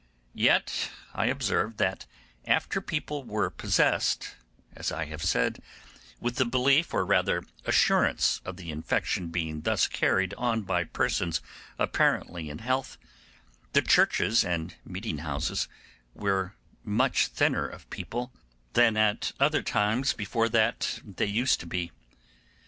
Yet I observed that after people were possessed, as I have said, with the belief, or rather assurance, of the infection being thus carried on by persons apparently in health, the churches and meeting houses were much thinner of people than at other times before that they used to be.